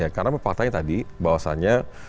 karena mempatahkan tadi bahwasannya